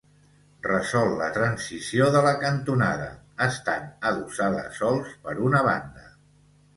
Resol la transició de la cantonada, estant adossada sols per una banda.